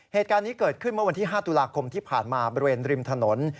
เหตุการณ์นี้เกิดขึ้นเมื่อวันที่๕ตุลาคมที่ผ่านมาบริเวณริมถนน